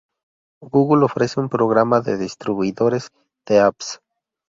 Google ofrece un programa de distribuidores de Apps.